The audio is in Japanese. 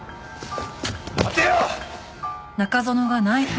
待てよ！